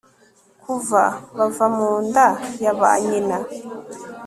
kuva bava mu nda ya ba nyina